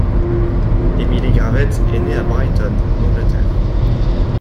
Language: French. Emily Gravett est née à Brighton, en Angleterre.